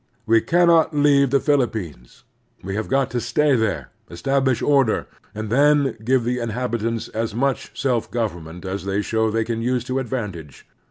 We cannot leave the Philippines. We have got to stay there, estab lish order, and then give the inhabitants as much self government as they show they can use to advantage.